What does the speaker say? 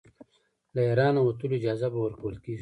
له اېرانه وتلو اجازه به ورکوله کیږي.